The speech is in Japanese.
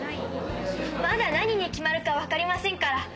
まだ何に決まるかわかりませんから。